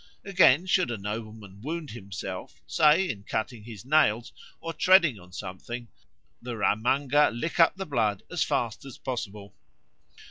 Again, should a nobleman wound himself, say in cutting his nails or treading on something, the ramanga lick up the blood as fast as possible.